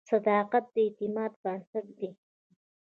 • صداقت د اعتماد بنسټ دی.